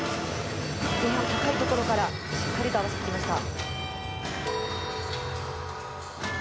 とても高いところからしっかりと合わせてきました。